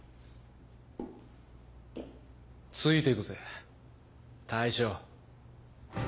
ついてくぜ大将。